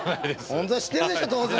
本当は知ってるでしょ当然。